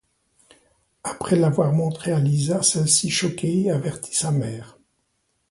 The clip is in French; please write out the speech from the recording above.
Après l'avoir montré à Lisa, celle-ci choquée, avertit sa mère.